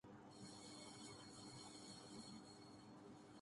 بن Affan کی شہادت کا بدلہ لیا جائے گا مسجد